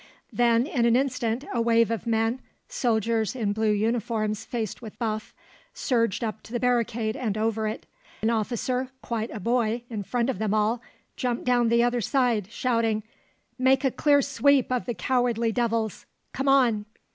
Then in an instant a wave of men, soldiers in blue uniforms faced with buff surged up to the barricade and over it. An officer, quite a boy, in front of them all, jumped down the other side, shouting, "Make a clear sweep of the cowardly devils, come on!"